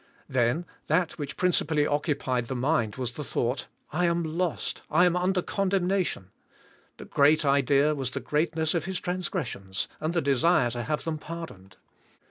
Then, that which principally occupied the mind was the thoug ht, "I am lost, I am under condemnation;" the g"reat idea was the g"reatness of his transg"res sions, and the desire to have them pardoned.